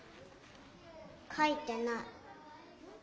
書いてない。